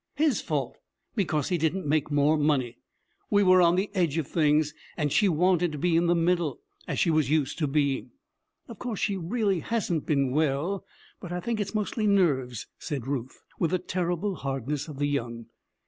His fault because he didn't make more money. We were on the edge of things, and she wanted to be in the middle, as she was used to being. Of course, she really hasn't been well, but I think it's mostly nerves,' said Ruth, with the terrible hardness of the young.